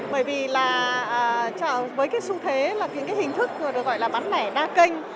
bởi vì là với cái xu thế là những cái hình thức vừa được gọi là bán lẻ đa kênh